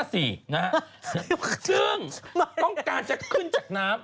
ซึ่งต้องการจะขึ้นจากน้ำ